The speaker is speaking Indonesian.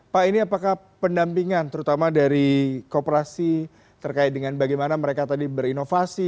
pak ini apakah pendampingan terutama dari kooperasi terkait dengan bagaimana mereka tadi berinovasi